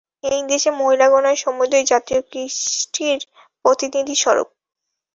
এই দেশে মহিলাগণ সমুদয় জাতীয় কৃষ্টির প্রতিনিধিস্বরূপ।